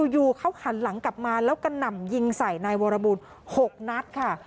อยู่เขาหันหลังกลับมาแล้วกระหน่ำยิงใส่นายวรบูล๖นัดค่ะ